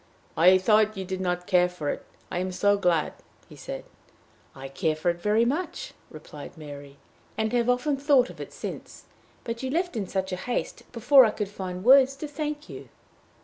"I thought you did not care for it! I am so glad!" he said. "I care for it very much," replied Mary, "and have often thought of it since. But you left in such haste! before I could find words to thank you!"